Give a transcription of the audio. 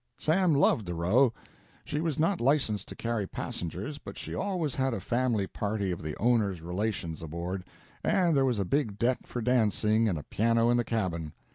Sam loved the "Roe." She was not licensed to carry passengers, but she always had a family party of the owners' relations aboard, and there was a big deck for dancing and a piano in the cabin.